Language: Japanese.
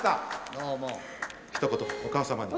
ひと言お母様に。